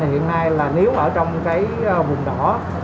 hiện nay nếu ở trong vùng đỏ